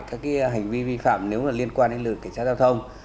các hành vi vi phạm nếu liên quan đến lực lượng cảnh sát giao thông